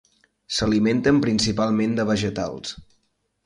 S'alimenten principalment de vegetals.